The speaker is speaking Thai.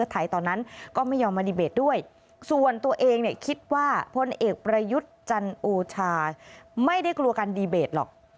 ตัวเองคิดว่าพลเอกประยุทธ์จันทร์อูชาไม่ได้กลัวกันดีเบตหรอก